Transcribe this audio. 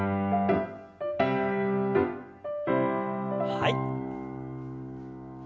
はい。